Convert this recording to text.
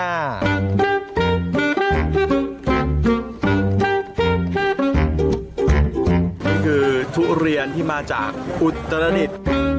นี่คือทุเรียนที่มาจากอุตรดิษฐ์